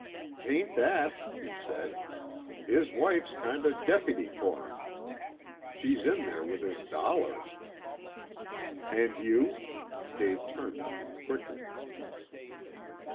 "'Tain't that," he said. "His wife's kind o' dep'ty for him. She's in ther' with his dollars." "And you?" Dave turned on him quickly.